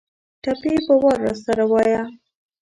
ټپې په وار راسره وايه